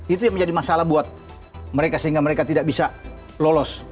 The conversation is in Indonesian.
itu yang menjadi masalah buat mereka sehingga mereka tidak bisa lolos